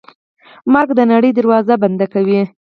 مرګ د نړۍ دروازه بنده کوي.